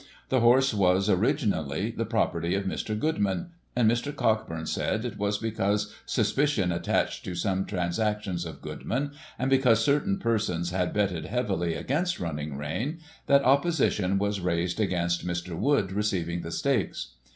The horse was, originally^ the property of Mr. Goodman; and, Mr. Cockburn said, it was because suspicion attached to some transactions of Goodman, and because certain persons had betted heavily against Running Rein, that opposition was raised against Mr. Wood receiving the stakes.